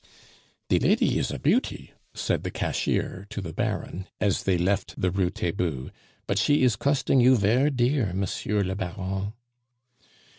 "De lady is a beauty," said the cashier to the Baron, as they left the Rue Taitbout, "but she is costing you ver' dear, Monsieur le Baron."